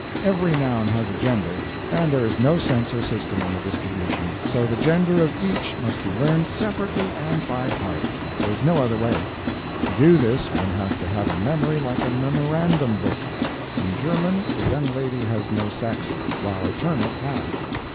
Every noun has a gender, and there is no sense or system in the distribution; so the gender of each must be learned separately and by heart. There is no other way. To do this one has to have a memory like a memorandum book. In German, a young lady has no sex, while a turnip has.